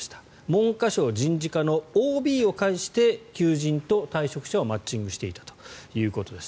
文科省人事課のＯＢを介して求人と退職者をマッチングしていたということです。